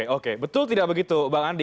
oke betul tidak begitu bang andi